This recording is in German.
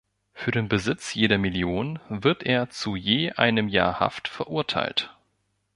Für den Besitz jeder Million wird er zu je einem Jahr Haft verurteilt.